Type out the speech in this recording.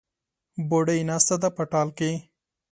بوډۍ ناسته ده په ټال کې